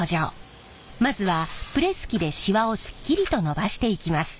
まずはプレス機でシワをすっきりと伸ばしていきます。